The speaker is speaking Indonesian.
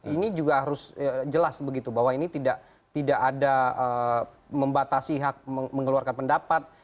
ini juga harus jelas begitu bahwa ini tidak ada membatasi hak mengeluarkan pendapat